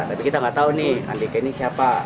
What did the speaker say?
tapi kita nggak tahu nih andika ini siapa